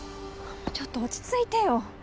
ちょっと落ち着いてよ！